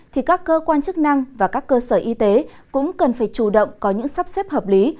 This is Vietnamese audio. thì các cơ quan chức năng và các cơ sở y tế cũng cần phải chủ động có những sắp xếp hợp lý